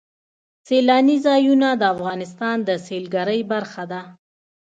سیلانی ځایونه د افغانستان د سیلګرۍ برخه ده.